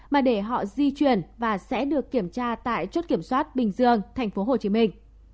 mà để họ di chuyển và sẽ được kiểm tra tại chốt kiểm soát bình dương thành phố hồ chí minh